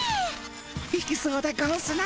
いきそうでゴンスな。